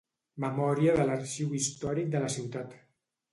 Memòria de l’Arxiu històric de la Ciutat.